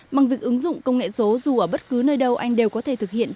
bằng việc ứng dụng công nghệ số dù ở bất cứ nơi đâu anh đều có thể thực hiện